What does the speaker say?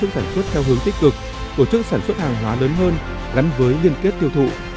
sản xuất theo hướng tích cực tổ chức sản xuất hàng hóa lớn hơn gắn với liên kết tiêu thụ